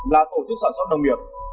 là tổ chức sản xuất đồng nghiệp